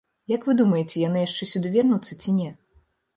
Як вы думаеце, яны яшчэ сюды вернуцца ці не?